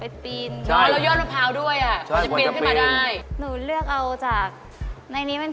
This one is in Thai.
นี่เย็น